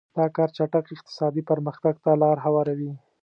دا کار چټک اقتصادي پرمختګ ته لار هواروي.